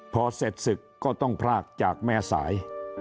พอเสร็จศึกก็ต้องพรากจากแม่สาย